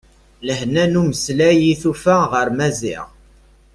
Lehna n umeslay i tufa ɣer Maziɣ.